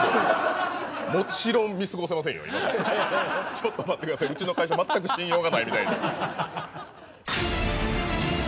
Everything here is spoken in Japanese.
ちょっと待って下さいうちの会社全く信用がないみたいに。